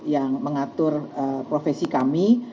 yang mengatur profesi kami